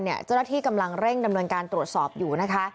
เจ้าหน้าที่กำลังเร่งดำเนินการตรวจสอบอยู่นะคะ